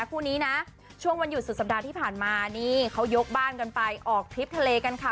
คู่นี้นะช่วงวันหยุดสุดสัปดาห์ที่ผ่านมานี่เขายกบ้านกันไปออกทริปทะเลกันค่ะ